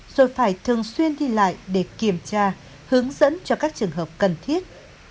rồi phải thường xuyên đi lại để kiểm tra hướng dẫn cho các trường hợp cần thiết